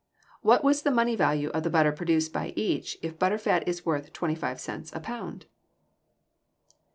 What was the money value of the butter produced by each if butter fat is worth twenty five cents a pound?